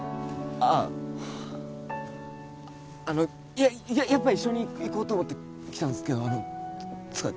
あああのやっぱ一緒に行こうと思って来たんすけどあのつか